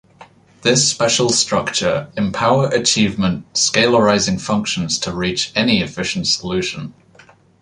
This special structure empower achievement scalarizing functions to reach any efficient solution.